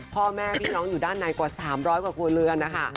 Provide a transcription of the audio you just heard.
พ่อแม่พี่น้องอยู่ด้านในกว่า๓๐๐กว่าครัวเรือนนะคะ